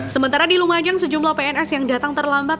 sementara di lumajang sejumlah pns yang datang terlambat